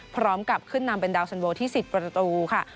พร้อมกับขึ้นนำเป็นดาวสันโวที่๑๐ประตูค่ะ